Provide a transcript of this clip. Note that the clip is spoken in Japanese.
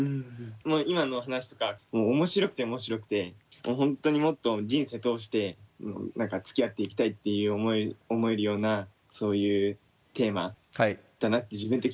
今の話とか面白くて面白くて本当にもっと人生通してつきあっていきたいって思えるようなそういうテーマだなって自分的に思ってるので。